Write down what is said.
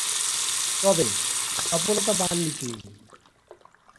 তবে, সফলতা পাননি তিনি।